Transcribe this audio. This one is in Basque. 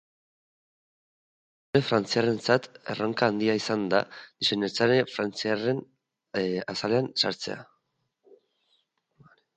Aktore frantziarrarentzat erronka handia izan da diseinatzaile frantziarraren azalean sartzea.